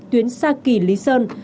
tuyến sa kỳ lý sơn